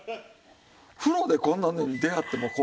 風呂でこんなのに出会っても怖い。